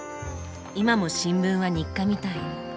今も新聞は日課みたい。